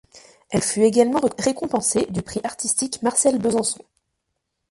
Elle fut également récompensée du prix artistique Marcel Bezençon.